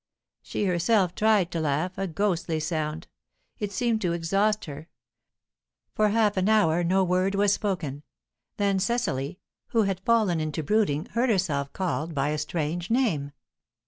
She herself tried to laugh a ghostly sound. It seemed to exhaust her. For half an hour no word was spoken. Then Cecily, who had fallen into brooding, heard herself called by a strange name.